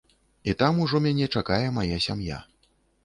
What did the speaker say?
І там ужо мяне чакае мая сям'я.